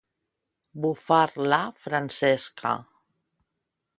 Bufar la Francesca.